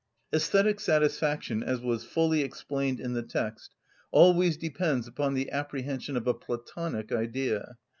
Æsthetic satisfaction, as was fully explained in the text, always depends upon the apprehension of a (Platonic) Idea.